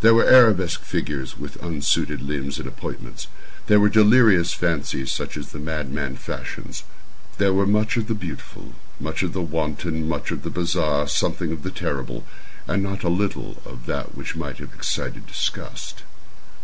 There were arabesque figures with unsuited limbs and appointments. There were delirious fancies such as the madman fashions. There was much of the beautiful, much of the wanton, much of the bizarre, something of the terrible, and not a little of that which might have excited disgust.